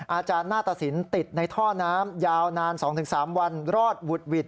อาจารย์หน้าตสินติดในท่อน้ำยาวนาน๒๓วันรอดบุดหวิด